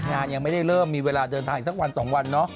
งานยังไม่ได้เริ่มมีเวลาเดินทางอีกสักวัน๒วันเนาะ